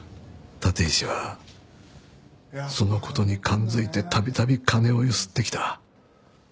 立石はそのことに感づいてたびたび金をゆすってきた。